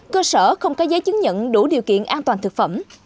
cơ sở không có giấy chứng nhận đủ điều kiện an toàn thực phẩm